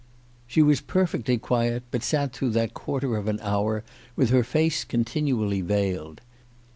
" She was perfectly quiet, but sat through that quarter of an hour with her face continually veiled.